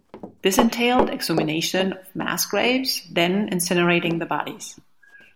This entailed exhumation of mass graves, then incinerating the bodies.